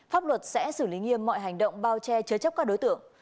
pháp luật sẽ xử lý nghiêm mọi hành động bao che chứa chấp các đối tượng